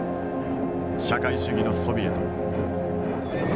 社会主義のソビエト。